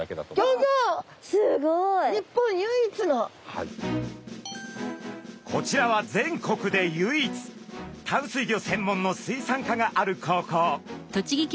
すごい！こちらは全国で唯一淡水魚専門の水産科がある高校。